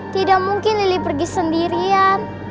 tidak mungkin lili pergi sendirian